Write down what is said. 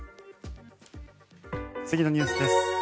次のニュースです。